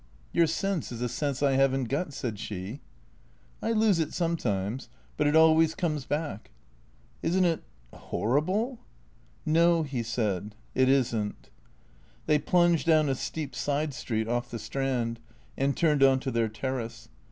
" Your sense is a sense I have n't got," said she. " I lose it sometimes. But it always comes back." "Isn't it — horrible?" " No," he said. " It is n't." They plunged down a steep side street off the Strand, and turned on to their terrace.